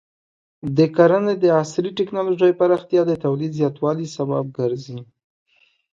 د کرنې د عصري ټکنالوژۍ پراختیا د تولید زیاتوالي سبب ګرځي.